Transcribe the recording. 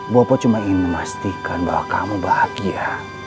bapak cuma ingin memastikan bahwa kamu bahagia